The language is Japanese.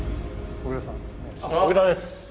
小倉です。